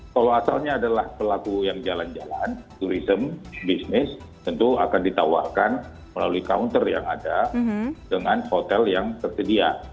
kalau asalnya adalah pelaku yang jalan jalan turisme bisnis tentu akan ditawarkan melalui counter yang ada dengan hotel yang tersedia